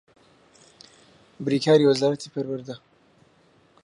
بریکاری وەزارەتی پەروەردە